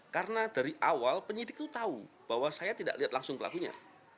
karena dari awal penyidik itu tahu bahwa saya tidak lihat langsung pelakunya